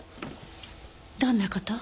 どんな事？